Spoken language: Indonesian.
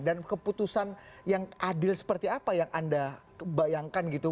dan keputusan yang adil seperti apa yang anda bayangkan gitu